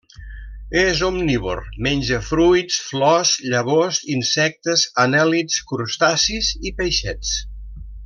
És omnívor: menja fruits, flors, llavors, insectes, anèl·lids, crustacis i peixets.